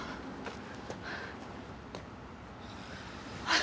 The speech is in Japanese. あ！